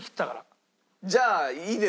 じゃあいいですか？